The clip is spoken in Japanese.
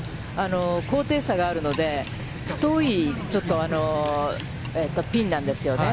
高低差があるので、太いピンなんですよね。